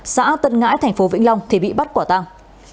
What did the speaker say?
xã tân ngãi tp vĩnh long thì bị bắt quả tăng